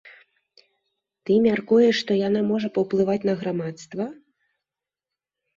Ты мяркуеш, што яна можа паўплываць на грамадства?